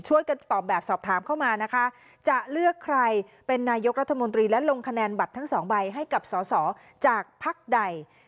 ช่วยกันตอบแบบสอบถามเข้ามานะคะจะเลือกใครเป็นนายกรัฐมนตรีและลงคำแหน่นบัตรทั้ง๒ใบให้กับส่อจากพักใด